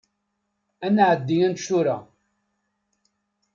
Ad nɛeddi ad nečč tura.